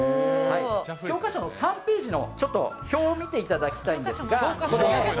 教科書の３ページの、ちょっと表を見ていただきたいんですが。